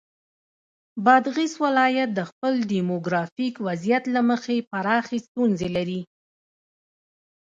بادغیس ولایت د خپل دیموګرافیک وضعیت له مخې پراخې ستونزې لري.